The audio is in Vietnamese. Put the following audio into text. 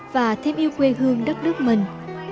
và thêm yêu quê hương đất nước mình